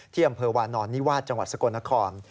ที่อำเภอวานอนนิวาสจังหวัดสกลนคร